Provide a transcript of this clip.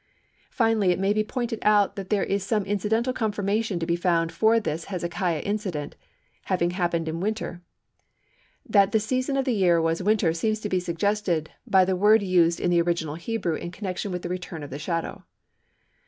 Finally it may be pointed out that there is some incidental confirmation to be found for this Hezekiah incident having happened in winter. That the season of the year was winter seems to be suggested by the word used in the original Hebrew in connection with the return of the shadow.